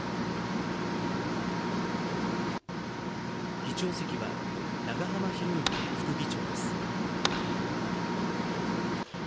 議長席は長浜博行副議長です。